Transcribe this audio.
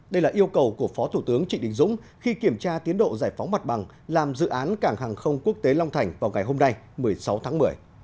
đây là yêu cầu của phó thủ tướng trịnh đình dũng khi kiểm tra tiến độ giải phóng mặt bằng làm dự án cảng hàng không quốc tế long thành vào ngày hôm nay một mươi sáu tháng một mươi